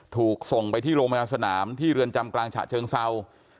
ถูกส่งไปที่โรงพยาบาลสนามที่เรือนจำกลางฉะเชิงเศร้า